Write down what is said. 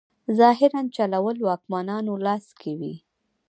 ظاهراً چلول واکمنانو لاس کې وي.